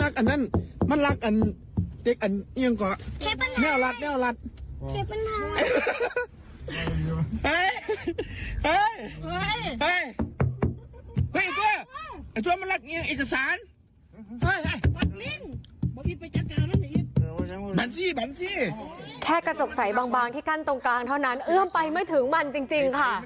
กระจกใสบางที่กั้นตรงกลางเท่านั้นเอื้อมไปไม่ถึงมันจริงค่ะ